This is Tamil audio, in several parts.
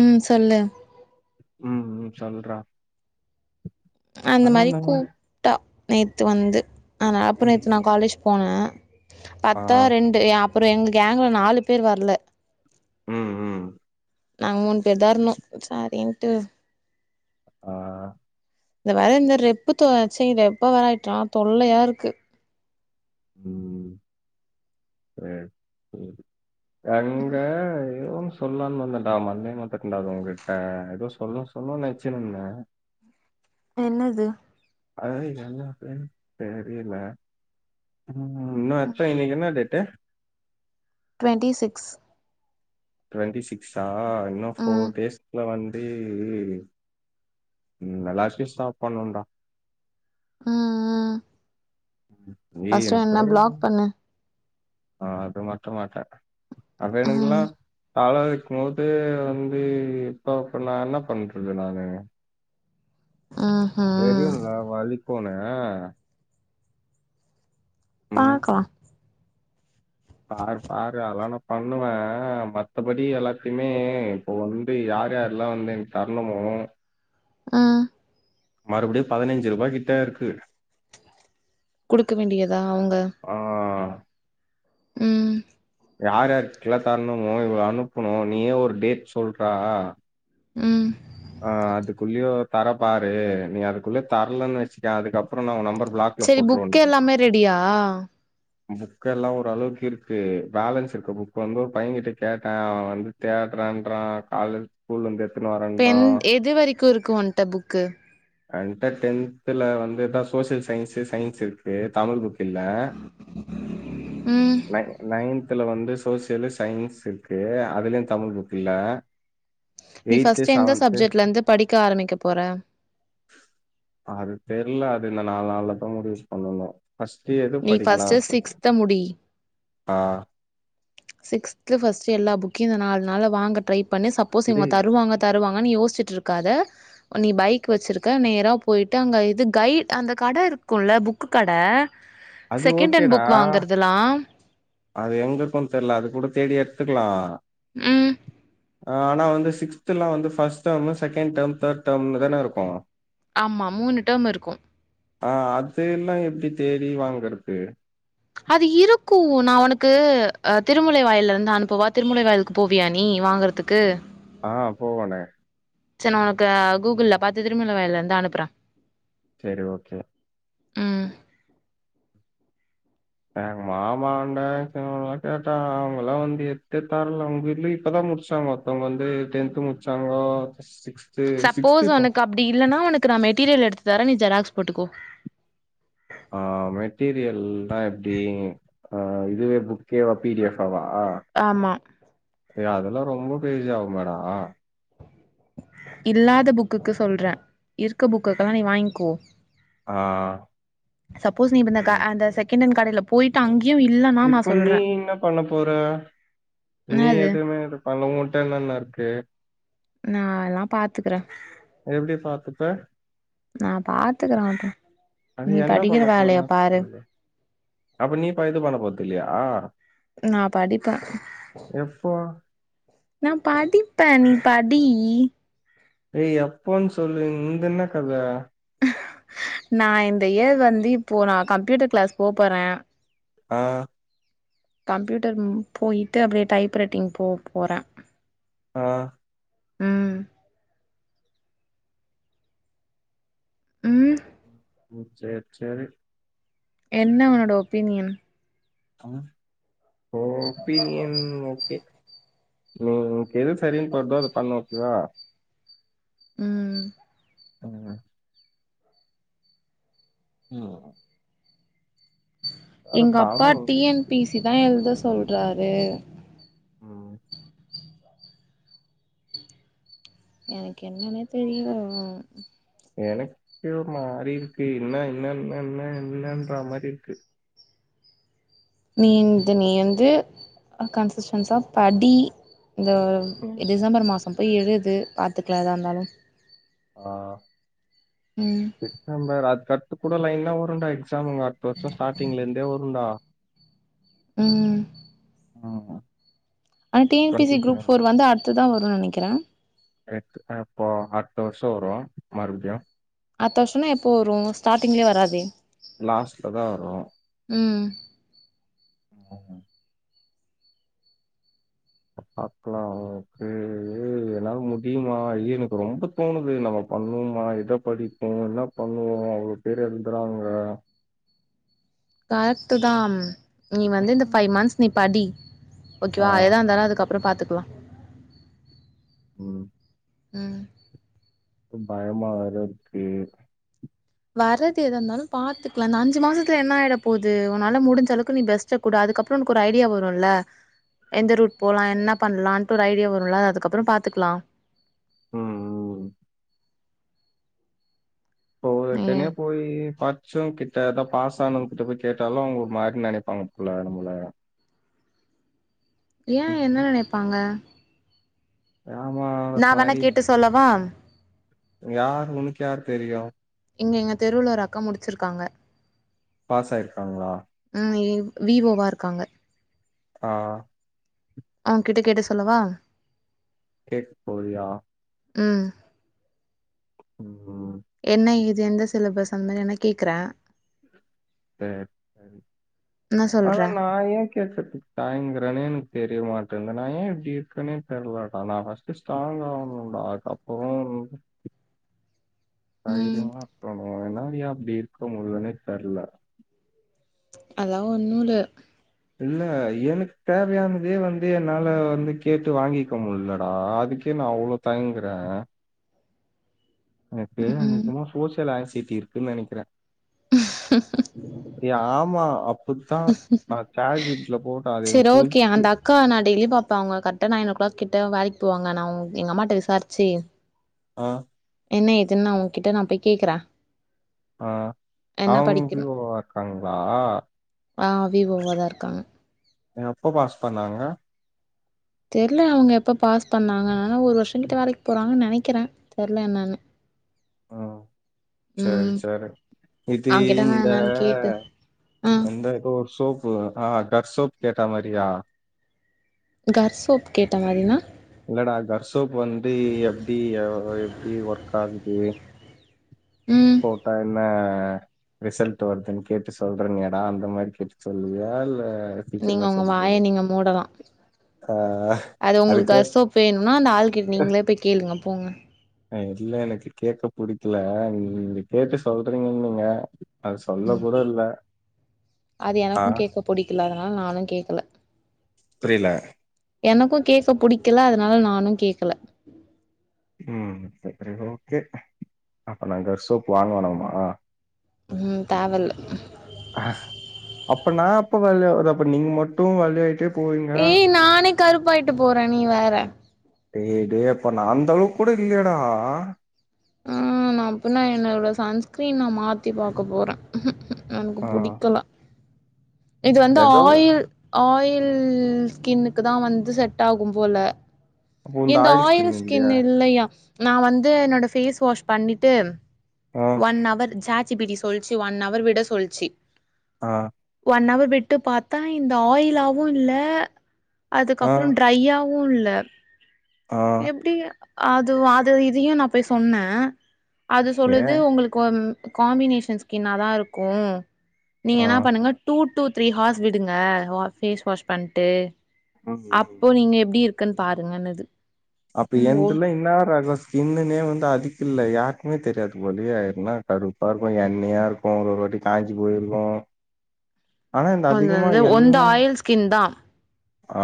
ம் சொல்லு ம் ம் சொல்றா அந்த ஆனா மாரி நம்ம கூப்பிட்டா நேத்து வந்து அதனால அப்ப நேத்து நா ம் காலேஜ் போனே ஆ பத்தா ரெண்டு அப்புற எங்க கேங்க்ல நாலு பேர் வரல ம் ம் நாங்க மூணு பேர்தா இருந்தோ சரின்ட்டு ஆ ஆ இந்த வேற இந்த ரெப்பு துவைச்சே ரெப்ப வர ஆயிட்டா தொல்லையா இருக்கு ம் அ செரி அங்க ஏதோ ஒன்னு சொல்லான்னு வந்தேன்டா மறந்தே வந்துடன்டா உன்கிட்ட ஏதோ சொல்லுனு சொல்லுனு நெனைச்சிருந்தே என்னது அது என்னனே தெரில ம் மச்சான் இன்னைக்கி என்னா டேட்டு டுவன்ட்டி சிக்ஸ் டொன்ட்டி சிக்ஸா இன்னு ம் போர் டேஸ்க்குள்ள வந் து ம் எல்லாத்தையு ஸ்டாப் பண்ணுன்டா ம் ம் நீ ஃபஸ்ட்டு எப்ப என்ன பிளாக் பண்ணு ஆ அது மட்டு மாட்டே அது வேணுங்களா ம் காலேல இருக்கும்போது வந்து இப்போ இப்போ நா என்ன பண்றது நானு ஆஹா தெரியுங்களா வலிக்கூனு ம் பாக்கலா பாரு பாரு அதலா நா பண்ணுவே மத்தபடி எல்லாத்தையுமே இப்போ வந்து யார் யார்லா வந்து எனக்கு தர்ணுமோ ம் மறுபுடியு பதினஞ்சு ரூபாகிட்ட இருக்கு குடுக்க வேண்டியதா அவுங்க ஆ ம் யார் யார்குல்லா தர்ணுமோ இவ்ளோ அனுப்புனு நீயே ஒரு டேட் சொல்றா ம் ஆ அதுக்குள்ளயு தர பாரு நீ அதுக்குள்ள தரலன்னு வெச்சிக்கய அதுக்கப்புறோ நா உ நம்பர் பிளாக்ல செரி புக் போட்ருவன்டா எல்லாமே ரெடியா புக் எல்லா ஓரளவுக்கு இருக்கு பேலன்ஸ் இருக்க புக் வந்து ஒரு பையகிட்ட கேட்டே அவ வந்து தேட்றன்றா கால்லருந் ஸ்கூல்ல இருந்து எத்துனு வாரேன் இப்ப எந் எது வரிக்கு இருக்கு ஒன்ட புக்கு என்ட டென்த்துல வந்துதா சோசியல் சயின்ஸ்ஸு சயின்ஸ் இருக்கு தமிழ் புக் இல்ல ம் எனக் நைன்த்துல வந்து சோசியலு சயின்ஸ் இருக்கு அதிலையு தமிழ் புக் இல்ல நீ எய்த்து ஃபஸ்ட்டு எந்த செவன்த்து சப்ஜெக்ட்ல இருந்து படிக்க ஆரம்பிக்க போற அது தெர்ல அது இன்னு நால் நாள் அப்பறோ முடிவு பண்ணணு ஃபஸ்ட்டு எது நீ படிக்கலா ஃபர்ஸ்ட் சிக்ஸ்த முடி ஆ சிக்ஸ்த்துல ஃபஸ்ட்டு எல்லா புக்கியு இந்த நால் நாள்ல வாங்க ட்ரை பண்ணு சப்போஸ் இவுங்க டேய் தருவாங்க தருவாங்கனு யோஸ்ச்சிட் இருக்காத நீ பைக் வெச்சுருக்க நேரா போயிட்டு அங்க இது கை அந்த கட இருக்குல புக்கு கட அது செகண்ட் டண் ஓகேடா புக் வாங்கறதுல்லா அது எங்கு இருக்கு தெர்ல அது கூட தேடி எடுத்துக்குலா ம் ஆனா வந்து சிக்ஸ்துல்லா வந்து first term second term third டர்ம்னுதான இருக்கு ஆமா மூனு டர்ம் இருக்கு ஆ அதுலா எப்டி தேடி வாங்கறது அது இருக்கு நா உனக்கு ஆ திருமுலை வாயிலருந்து அனுப்பவா திருமுலை வாயிலுக்கு போவியா நீ வாங்கறதுக் கு ஆ போவனே செரி நா உனக்கு ஆ கூகுள்ல பாத்து திருமுலை வாயிலருந்து அனுப்புறே சேரி ஓகே ம் எங்க மாமான்டா எல்லா கேட்டா அவுங்கல்லா வந்து எத்தே தர்ல அவுங்க [unintelligible] இப்பதா முடிச்சாங்க அவுங்க வந்து டென்து முடிச்சாங்கோ சிக்ஸ் சப்போஸ் உனக்கு அப்டி இல்லன்னா உனக்கு நா மெட்டீரியல் எடுத்து தரே நீ ஜெராக்ஸ் போட்டுக்கோ ஆ மெட்டீரியல்னா எப்டி ஆ இதுவே புக்கேவா பி டி எஃபாவா ஆ ஆமா எ அதெல்லா ரொம்ப பேஜ் ஆகுமேடா இல்லாத புக்குக்கு சொல்றே இருக்க புக்குக்குல்லா நீ வாய்ங்கோ ஆ சப்போஸ் நீ இப்ப இந்த க அந்த செகண்டெட் கடைல போயிட்டு அங்கியு இல்லன் இப்ப நீ இன்னா பண்ண போற நீ என்னது எதுவுமே இது அதுல ஊன்ட்ட என்னென்ன இருக்கு நா எல்லா பாத்துக்குறே அது எப்டி பாத்துப்பே நா பாத்துக்குற ஆவ்டு அது நீ என்ன படிக்கிற பண்ண வேலைய போறேன்னு பாரு சொல்லு அப்ப நீ படிக்க போன போறதில்லயா நா படிப்ப எப்போ நா படிப்பே நீ படி ஏய் எப்போன் சொல்லு உன்து என்ன கத நா இந்த இயர் வந்து இப்போ நா கம்ப்யூட்டர் க்ளாஸ் போ போற ஆ கம்ப்யூட்டர் போயிட்டு அப்டே டைப் ரட்டிங் போ போறே ஆ ம் ம் ம் சேரி சேரி என்ன உன்னோட ஒப்பீனியன் ஆ ஓப்பினீயன் ஓகே உ உன்க்கு எது சரின் படுதோ அது பண்ணு ஓகேவா ம் ம் ம் அட எங்கப்பா தலை டி என் பி சி தா எழுத சொல்றாரு ம் எனக்கு என்னன்னே தெரில அ எனக்கே ஒரு மாறி இருக்கு என்ன என்ன என்ன என்ன என்னன்ற மாரி இருக்கு நீ ந்து நீ வந்து கன்சிஸ்டன்ஸா படி இந்த ம். டிசம்பர் மாசோ போய் எழுது பாத்துக்லா எதா இருந்தாலும் ஆ ம் டிசம்பர் அதுக்கடுத்து கூட லைன்னா வருன்டா எக்ஸாம் அங்க அடுத்த வருஷோ ஸ்டார்டிங்ல இருந்தே வருன்டா ம் ம் ம் ஆனா T N P C twenty group four வந்து அடுத்ததா வருன்னு நெனக்கிறே கரெக்ட்டு இப்போ அடுத்து வருஷோ வரு மறுப்டியு அத்த வருஷொனா எப்போ வரு ஸ்டார்டிங்லே வராதே லாஸ்ட்லதா வரு ம் ம் ம் பாக்லா ஓகே இது என்னால முடியுமா ஐயோ எனக்கு ரொம்ப தோணுது நம்ம பண்ணோமா இத படிப்போ என்னா பண்ணுவோ அவ்ளோ பேர் எழுதுறாங்க கரெக்டு தாம் நீ வந்து இந்த ம் ஃபைவ் மந்த்ஸ் நீ படி ஆ ஓகேவா அது எதா இருந்தாலு அதுக்கப் ப்றோ பாத்துக்லா ம் ம் தும் பயமா வேற இருக்கு வரது எதாந்தாலும் பாத்துக்லா இந்த அஞ்சு மாசத்ல என்னாயிடப் போது உன்னால முடிஞ்சளவுக்கு நீ பெஸ்ட் சக் குடு அதுக்கப்றோ ஒனுக்கு ஒரு ஐடியா வருல்ல எந்த ரூட் போலா ம் என்னப் பண்லான்ட்டு ஒரு ஐடியா வருல்லா அது அதுக்கப்றோம் பாத்துக்லா ம் ம் போ ம் எற்கனவேப் போயி பாத் ச்சோங்கிட்ட அதாப் பாஸ் ஆனவங்கிட்ட போய் கேட்டாலு அவுங்க ஒரு மாரி நெனைப்பாங்க போல நம்மள ஏ என்ன ம். நெனைப்பாங்க யாமா நா வேணா கேட்டு சொல்லவா யாரு உனுக்கு யார் தெரியு இங்க எங்க தெருவுல ஒரு அக்கா முடிச்சிருக்காங்க பாஸாயிருக்காங்ளா ம் இ வி வோ வா இருக்காங்க ஆ அவுங்கிட்டு கேட்டு சொல்லவா கேட் போறியா ம் ம் என்ன ஏது எந்த சிலபஸ் அந் மாரி என்னக் கேக்கறே சேர் என்ன ஆ சொல்ற நா ஏ கேக்கர்துக் தயங்குறேனேனுக் தெரிய மாட்டேந்து நா ஏ இப்டி இருக்கேனேத் தெர்லடா நா ஃபஸ் டுட் ஸ்டாங்காவுனுண்டா அதுக்கப்றோ ம் தைரியமா இருக்கனு என்னாரியா அப்டி இருக்க முல்லனேத் தெர்ல அதலா ஒன்னுல்ல இல்ல எனுக் தேவையானதே வந்து என்னால வந்து கேட்டு வாங்கிக்க முல்லடா அதுக்கே நா அவ்ளோக் தங்குறே எனக்கு ம் அநேகமா சோசியல் ஆசிட்டி இருக்குன் நெனைக்றே ம்ஹு ஹு எ ஆமா அப்புத்தா நா சாட் ஜீ பிட்ல போட்டா அது என் சொல்சி ஏ அந்த அக்கா நா டெய்லி பாப்பே அவுங்க கர்ட்டா நைன் ஓக் கிளாக்கிட்ட வேலைக் போவாங்க நா ஒங் எங்க அம்மாட்ட விசார்ச்சி அ என்ன ஏதுன் நா அவுங்கிட்ட நாப் போய் கேக்கறே ஆ அவுங் வி படிக்கணு ஓ வா இருக்காங்ளா ஆ வீ ஓவாதா இருக்காங்க எப்ப பாஸ் பண்ணாங்க தெர்ல அவுங்க எப்போ பாஸ் பண்ணாங்க ஆனா ஒரு வர்ஷோங் கிட்ட வேலைக் போறாங்கன் நெனைக்கிறே தெர்ல என்னானு ம் சேரி ம் சேரே இது அவங்கிட்ட நா இந்த என்னன்னு கேட்டு ஆ எந்தகோ ஒரு சோப்பு ஆ கர் சோப் கேட்ட மாரியா கர் சோப் கேட்ட மாரினா இல்லடா கர் சோப் வந்து எப்டி ஆ எப்டி ஒர்க் ஆகுது ம் போட்டா என்ன ரிசல்ட் வருதுன்னு கேட்டு சொல்றேனியேடா அந்த மாதிரி கேட்டு சொல்லிவிய இல்ல நீங்க சீக்கிரமா உங்க வாய சொல்லுவியா நீங்க மூடலா ஆஹ், அது உங்களுக்கு அசோக் வேணுனா அந்த ஆள் கிட்ட நீங்களே போய் கேளுங்க போங்க அ இல்ல எனக்கு கேக்க புடிக்கல நீங்க கேட்டு சொல்றீங்கன்னு நீங்க அது சொல்ல கூட இல்ல அது ஆ எனக்கும் கேட்க புடிக்கல அதுனால நானு கேட்கல புரில எனக்கும் கேட்க புடிக்கல அதனால நானு கேக்கல ம் சரி ஓகே அப்ப நாங்க சோப் வாங்க வேணாமா ம் தேவ இல்ல ம் அப்ப நா எப்ப வெள்ளையா ஆவுறது அப்ப நீங்க மட்டு வெள்ளையிட்டே ஏய் நானே கருப்பாயிட்டு போற நீ வேற டேய் டேய் அப்ப நா அந்த அளவுக்கு கூட இல்லையாடா ம் நா அப்பன்னா என்னோட சன்ஸ்கிரீன்ன மாத்தி பாக்க போற ம் ம் எனக்கு ஆ புடிக்கலா இது வந்து ஏதோ ஆயில் ஆயில் ஸ்கின்னுக்கு தா வந்து செட் ஆகும் போல அப்போ இந்த என்னது ஆயில் ஸ்கின் இல்லையா இல்லயா நா வந்து என்னோட ஃபேஸ் வாஷ் பண்ணிட்டு ஆ ஒன் அவர் ஜக் ஜிபிடி சொல்லிச்சு ஒன் அவர் விட சொல்ச்சு ஆ ஒன் அவர் விட்டு பாத்தா இந்த ஆயில்லாவு இல்ல அதுக்கு ஆ அப்பற ட்ரய்யவு கூல்ல ஆ அப்டி அது அது இதையு நா போய் சொன்ன அது ஏ சொல்லுது உங்களுக்கு காம் காம்பினேஷன் ஸ்கின் தா இருக்கும் ம் நீங்க ஆ என்னா பண்ணுங்க டூ டூ த்ரீ ஹார்ஸ் விடுங்கஸ் ஃபேஸ் வாஷ் பண்ணிட்டு ம் ம் அப்போ நீங்க எப்டி இரு இருக்குன் பாருங்கனது அப்ப என்னதுல்லா என்னா ரகம் கிண்ணுனே வந்து அதுக்கு இல்ல யாருக்குமே தெரியாது போலயே என்னா கருப்பா இருக்கும் எண்ணெயா இருக் ஒருவொரு வாட்டியும் காஞ்சி போய் இருக்கும் ஆனா இந்த அது அதிகமா வந்து ஒந்த எண்ணெ ஆயில் ஸ்கின் தா ஆ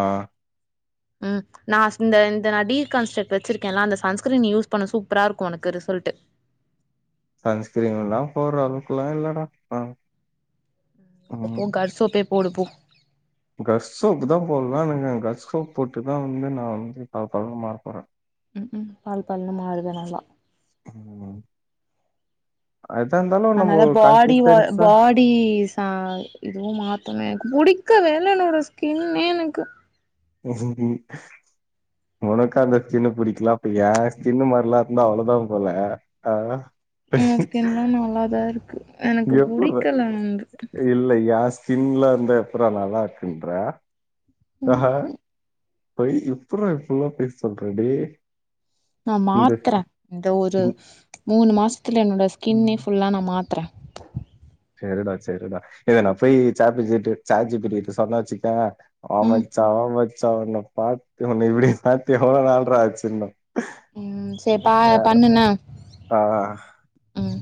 ம் நா இந்த இந்த டி கன்ஸ்ட்ரக்ட் வச்சிருக்கன்னா அந்த சன்ஸ்கிரீன் யூஸ் பண்ணும் சூப்பரா இருக்கும் உனக்கு ரிசல்ட் சன்ஸ்கிரீன் எல்லா போடுற அளவுக்குல்லா இல்லடா ஆ எப்போவு கர்ஸ்சோப்பே போடு போ கஷ் சோப் தா போடலான்னு இருக்க கஸ் சோப் போட்டுதா வந்து நா வந்து பள பளனு மாற போற ம் ம் பால் பண்ண மாதிரிதா நல்லா ம் எதா இருந்தாலும் நம்ம கன்சிஸ்டன்ஸா அடி சா இதுவும் மாத்தமே எனக்கு புடிக்கவே இல்ல எனக்கு ஸ்கின்னே எனக்கு ம் ம் உனக்கு அந்த ஸ்கின்னு புடிக்கலா அப்ப எய ஸ்கின்னு மாதிரி எல்லா இருந்தா அவ்ளவுதா போல ஆ ம் உ ஸ்கின்லா நல்லா தா இருக்கு எனக்கு எப்புற்றா புடிக்கல வந்து இல்ல யாஷ் சிங்கிளா இருந்தா எப்டிடா நல்லா இருக்குன்ற ம் ஏ எப்புரா இப்புல்லா பொய் சொல்ற டே நா மாத்றே இந்த ஒரு மூணு மாசத்துல என்னோட ஸ்கின்னே ம், ஃபுல்லா நா மாத்றே சேரிடா சேரிடா ஏ நா போய் சாப்பிச்சட்டு சாட்ஜிபிடி ட சொன்னே வச்சுக்க வா ம் மச்சா வா மச்சா உன்ன பாத்து உன்ன இப்டி பாத்து எவ்ளோ நாள்றா ஆச்சுன்னு ம் சேரி பா வே பண்ணு என்ன ஆஹ் ம்